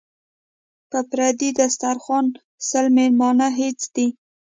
متل دی: په پردي دسترخوان سل مېلمانه هېڅ دي.